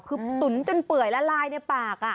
คือตุ๋นจนเปื่อยละลายในปาก